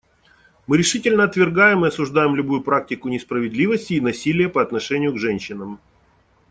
Мы решительно отвергаем и осуждаем любую практику несправедливости и насилия по отношению к женщинам.